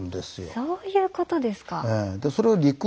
そういうことですか。